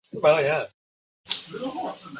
越南阮朝官员。